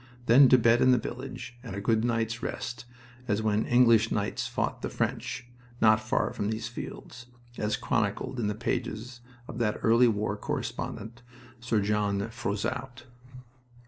Then to bed in the village, and a good night's rest, as when English knights fought the French, not far from these fields, as chronicled in the pages of that early war correspondent, Sir John Froissart.